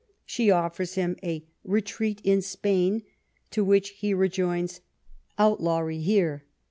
She offers him '" A retreat in Spain," to which he rejoins " Outlawry here."